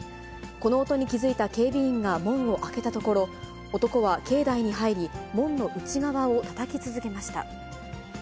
この音に気付いた警備員が門を開けたところ、男は境内に入り、門の内側をたたき続けました。